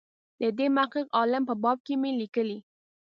د دې محقق عالم په باب مې لیکلي.